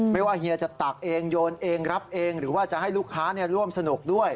ไม่ว่าเฮียจะตักเองโยนเองรับเองหรือว่าจะให้ลูกค้าร่วมสนุกด้วย